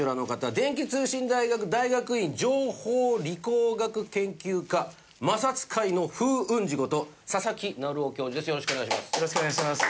電気通信大学大学院情報理工学研究科摩擦界の風雲児こと佐々木成朗教授です。